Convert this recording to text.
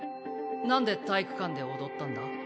なんで体育館で踊ったんだ？